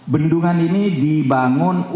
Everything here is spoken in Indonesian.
bendungan ini dibangun untuk